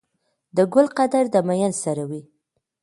د ګل قدر د ميئن سره وي.